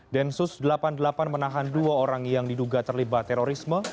densus delapan puluh delapan menahan dua orang yang diduga terlibat terorisme